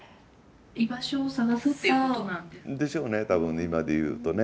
居場所を探すっていうこと？でしょうね、多分今でいうとね。